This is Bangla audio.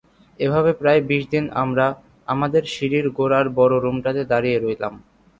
এভাবে প্রায় বিশদিন আমরা আমাদের সিঁড়ির গোড়ার বড় রুমটাতে দাঁড়িয়ে রইলাম।